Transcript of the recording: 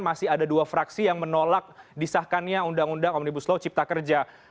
masih ada dua fraksi yang menolak disahkannya undang undang omnibus law cipta kerja